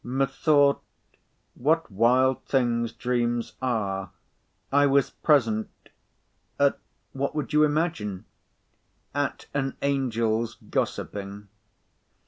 Methought—what wild things dreams are!—I was present—at what would you imagine?—at an angel's gossiping.